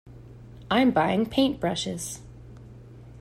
I’m buying paintbrushes.